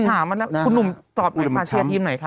ถามมาน่ะคุณหนุ่มตอบไหนพาเชียร์ทีมหน่อยค่ะ